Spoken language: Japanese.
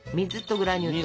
グラニュー糖。